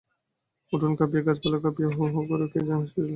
উঠোন কাঁপিয়ে গাছপালা কাঁপিয়ে হো-হো করে কে যেন হেসে উঠল।